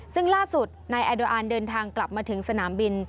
ซึ่งล่าสุดนายแอโดอานเดินทางกลับมาถึงสนามบิน